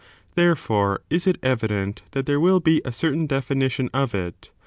Therefore, is it evident that there will be a certain definition of it.